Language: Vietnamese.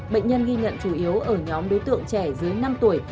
bệnh nhân ghi nhận chủ yếu ở nhóm đối tượng trẻ dưới năm tuổi